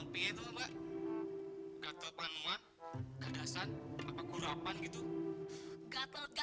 biar kalau dia nanti betul betul ngobrol